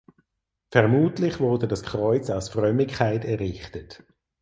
Vermutlich wurde das Kreuz aus Frömmigkeit errichtet.